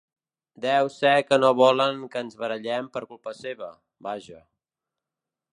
Deu ser que no volen que ens barallem per culpa seva, vaja.